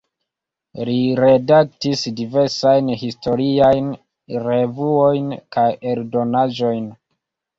Li redaktis diversajn historiajn revuojn kaj eldonaĵojn.